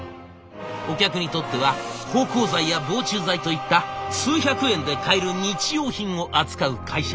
お客にとっては芳香剤や防虫剤といった数百円で買える日用品を扱う会社。